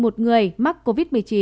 một người mắc covid một mươi chín